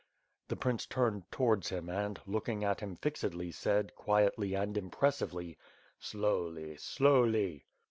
"The prince turned towards him and, looking at him fixedly, said, quietly and impressively: "Slowly! slowly!"